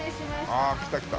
ああ来た来た。